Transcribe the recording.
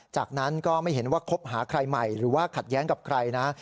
จากนั้นก็ไม่เห็นว่าคบหาใครใหม่หรือว่าขัดแย้งกับใครนะ